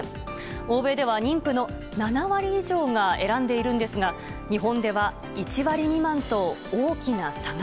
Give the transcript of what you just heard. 欧米では妊婦の７割以上が選んでいるんですが日本では１割未満と大きな差が。